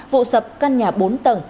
vụ sập căn nhà bốn tầng